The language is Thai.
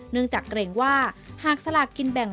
เนื่องจากเกรงว่าหากสลากกินแบ่ง